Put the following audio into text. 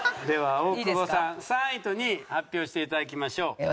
では大久保さん３位と２位発表していただきましょう。